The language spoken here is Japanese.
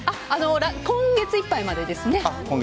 今月いっぱいまでですね。